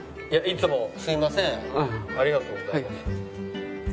ありがとうございます。